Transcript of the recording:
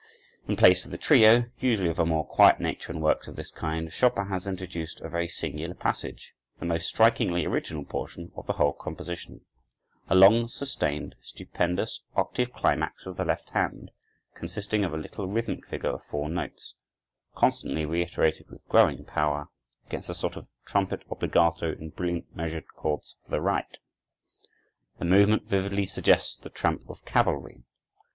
In place of the trio, usually of a more quiet nature in works of this kind, Chopin has introduced a very singular passage, the most strikingly original portion of the whole composition—a long sustained, stupendous octave climax of the left hand, consisting of a little rhythmic figure of four notes, constantly reiterated with growing power, against a sort of trumpet obligato in brilliant measured chords for the right. The movement vividly suggests the tramp of cavalry.